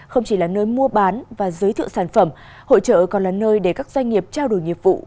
không chỉ là nơi mua bán và giới thiệu sản phẩm hội trợ còn là nơi để các doanh nghiệp trao đổi nghiệp vụ